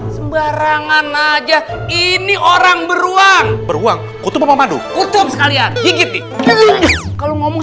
sembarangan aja ini orang beruang beruang kutub apa madu kutub sekalian gigit nih kalau ngomong